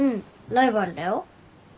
ライバルだよ。